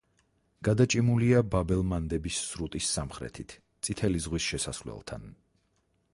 გადაჭიმულია ბაბ-ელ-მანდების სრუტის სამხრეთით, წითელი ზღვის შესასვლელთან.